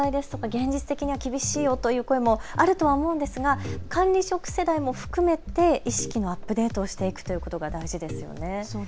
現実的に厳しいよという声もあると思うんですが管理職世代も含めて意識のアップデートしていくということが大事ですよね。